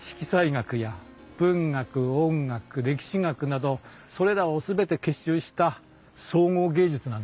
学や文学音楽歴史学などそれらを全て結集した総合芸術なんです。